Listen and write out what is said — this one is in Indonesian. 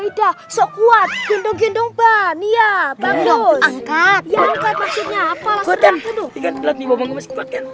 ida sok kuat gendong gendong ban iya bangkus angkat maksudnya apalah serangku tuh